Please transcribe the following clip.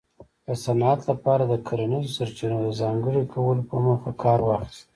د صنعت لپاره د کرنیزو سرچینو د ځانګړي کولو په موخه کار واخیست